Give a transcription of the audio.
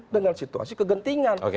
dengan situasi kegentingan